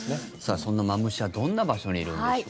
そんなマムシはどんな場所にいるんでしょう。